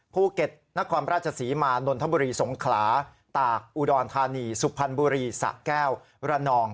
นครราชศรีมานนทบุรีสงขลาตากอุดรธานีสุพรรณบุรีสะแก้วระนอง